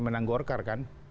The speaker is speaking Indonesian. menang gorkar kan